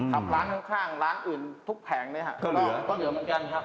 คราบร้านข้างร้านอื่นทุกแผงก็เหลือเหมือนกัน